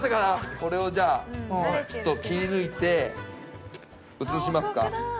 これをじゃあちょっと切り抜いて移しますか。